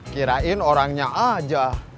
kirain orangnya aja